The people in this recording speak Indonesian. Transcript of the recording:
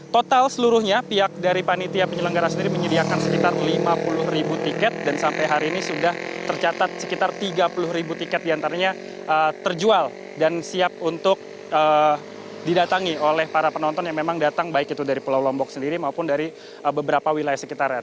total seluruhnya pihak dari panitia penyelenggara sendiri menyediakan sekitar lima puluh ribu tiket dan sampai hari ini sudah tercatat sekitar tiga puluh ribu tiket diantaranya terjual dan siap untuk didatangi oleh para penonton yang memang datang baik itu dari pulau lombok sendiri maupun dari beberapa wilayah sekitarnya